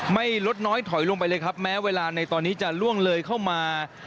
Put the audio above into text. ไม่ลดน้อยถอยลงไปเลยครับแม้เวลาในตอนนี้จะล่วงเลยเข้ามา